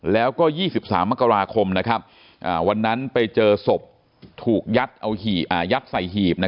แล้วก็๒๓มกราคมวันนั้นไปเจอศพถูกยัดใส่หีบ